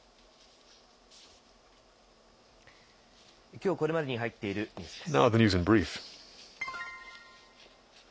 きょう、これまでに入っているニュースです。